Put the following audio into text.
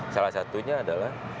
salah satunya adalah